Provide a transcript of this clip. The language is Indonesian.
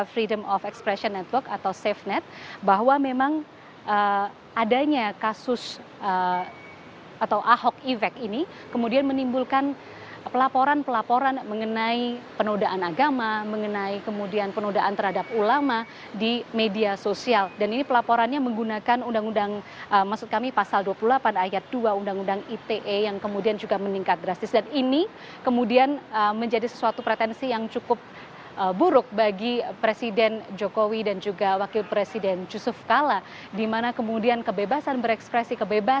freedom of expression network atau safenet bahwa memang adanya kasus atau ahok ivek ini kemudian menimbulkan pelaporan pelaporan mengenai penodaan agama mengenai kemudian penodaan terhadap ulama di media sosial dan ini pelaporannya menggunakan undang undang maksud kami pasal dua puluh delapan ayat dua undang undang ite yang kemudian juga meningkat drastis dan ini kemudian menjadi sesuatu pretensi yang cukup buruk bagi masyarakat indonesia